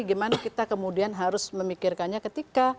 gimana kita kemudian harus memikirkannya ketika